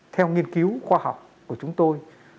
theo nghiên cứu khoa học của chúng tôi